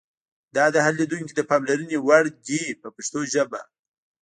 دا د هر لیدونکي د پاملرنې وړ دي په پښتو ژبه.